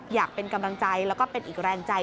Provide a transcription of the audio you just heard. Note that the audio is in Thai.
อยากเป็นกำลังใจแล้วก็เป็นอีกแรงใจ